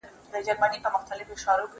زه اجازه لرم چي بوټونه پاک کړم!!